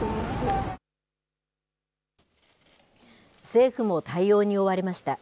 政府も対応に追われました。